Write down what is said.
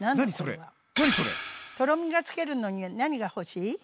とろみがつけるのに何が欲しい？